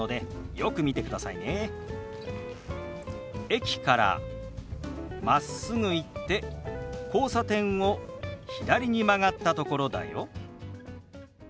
「駅からまっすぐ行って交差点を左に曲がったところだよ」。